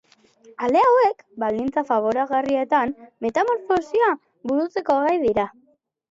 Ale hauek, baldintza faboragarrietan metamorfosia burutzeko gai dira.